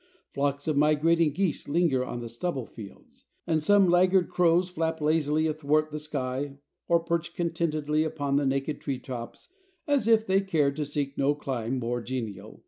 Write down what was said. Flocks of migrating geese linger on the stubble fields, and some laggard crows flap lazily athwart the sky or perch contentedly upon the naked treetops as if they cared to seek no clime more genial.